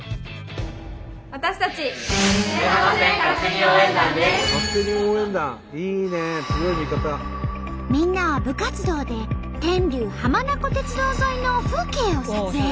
私たちみんなは部活動で天竜浜名湖鉄道沿いの風景を撮影。